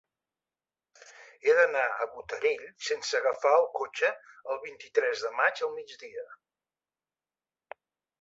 He d'anar a Botarell sense agafar el cotxe el vint-i-tres de maig al migdia.